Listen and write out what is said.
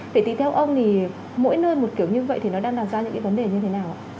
vậy thì theo ông thì mỗi nơi một kiểu như vậy thì nó đang đặt ra những cái vấn đề như thế nào ạ